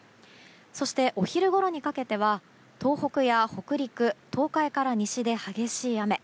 そして、お昼ごろにかけては東北や北陸東海から西で激しい雨。